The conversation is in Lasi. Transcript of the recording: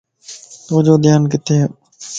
توجو ڌيان ڪٿي؟